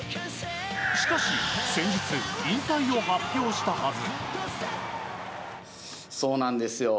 しかし、先日引退を発表したはず。